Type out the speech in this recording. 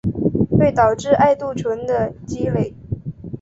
会导致艾杜醇的积累。